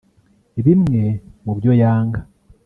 Bimwe mu byo yanga